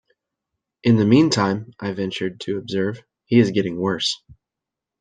"In the meantime," I ventured to observe, "he is getting worse."